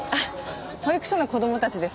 保育所の子供たちです。